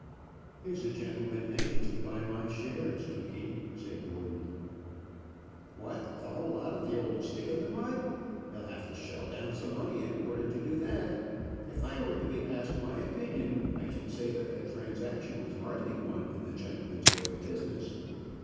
"Here's a gentleman anxious to buy my shares, Tookey," said Gordon. "What! the whole lot of the old Stick in the Mud? He'll have to shell down some money in order to do that! If I were to be asked my opinion, I should say that the transaction was hardly one in the gentleman's way of business."